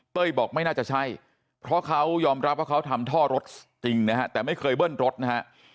เต้ยบอกไม่น่าจะใช่เพราะเขายอมรับทำท่อรถจริงนะฮะแต่ไม่เคยเบื่อนรถนะฮะ